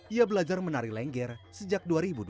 ia belajar menari lengger sejak dua ribu dua belas